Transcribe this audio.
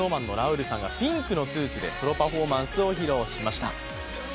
ＳｎｏｗＭａｎのラウールさんがピンクのスーツでソロパフォーマンスを披露しました。